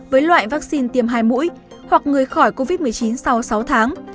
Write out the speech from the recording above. với loại vaccine tiêm hai mũi hoặc người khỏi covid một mươi chín sau sáu tháng